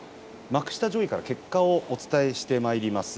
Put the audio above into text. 幕下上位から結果をお伝えします。